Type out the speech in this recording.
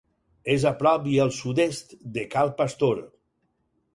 És a prop i al sud-est de Cal Pastor.